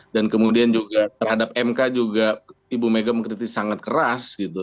dan kemudian juga terhadap mk juga ibu megawati mengkritisi sangat keras gitu